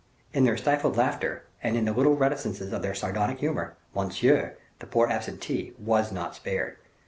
In their stifled laughter, and in the little reticences of their sardonic humor, Monsieur, the poor absentee, was not spared.